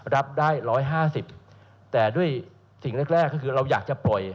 รับได้๑๕๐แต่ด้วยสิ่งแรกก็คือเราอยากจะปล่อย